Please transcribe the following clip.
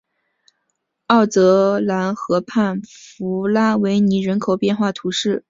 奥泽兰河畔弗拉维尼人口变化图示